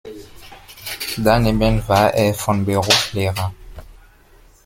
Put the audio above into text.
Daneben war er von Beruf Lehrer.